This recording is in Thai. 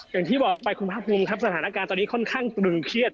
อย่างที่บอกไปคุณภาคภูมิครับสถานการณ์ตอนนี้ค่อนข้างตรึงเครียด